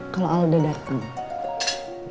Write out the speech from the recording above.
kalau al udah dateng